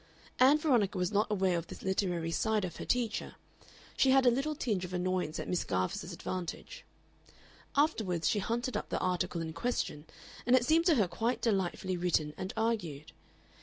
Ann Veronica was not aware of this literary side of her teacher; she had a little tinge of annoyance at Miss Garvice's advantage. Afterwards she hunted up the article in question, and it seemed to her quite delightfully written and argued.